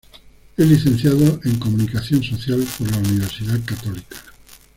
Es licenciado en Comunicación Social por la Universidad Católica.